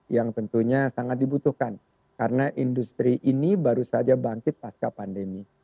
yang tentunya sangat dibutuhkan karena industri ini baru saja bangkit pasca pandemi